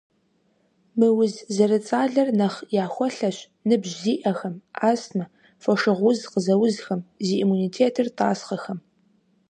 Мы уз зэрыцӀалэр нэхъ яхуэлъэщ ныбжь зиӀэхэм, астмэ, фошыгъу уз къызэузхэм, зи иммунитетыр тӀасхъэхэм.